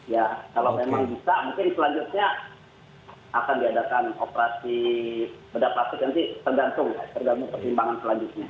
ya kalau memang bisa mungkin selanjutnya akan diadakan operasi bedah plastik nanti tergantung pertimbangan selanjutnya